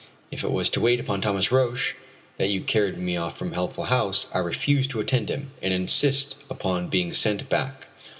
If it was to wait upon Thomas Roch that you carried me off from Healthful House, I refuse to attend to him, and insist upon being sent back."